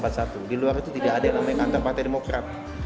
di luar itu tidak ada yang namanya kantor partai demokrat